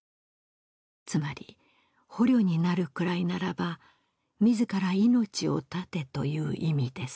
つまり捕虜になるくらいならば自ら命を絶てという意味です